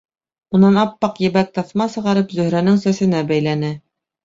Унан ап-аҡ ебәк таҫма сығарып, Зөһрәнең сәсенә бәйләне.